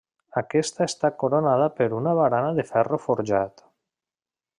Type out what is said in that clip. Aquesta està coronada per una barana de ferro forjat.